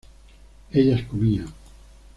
ellas comían